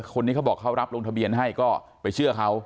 เขาบอกเขารับลงทะเบียนให้ก็ไปเชื่อเขา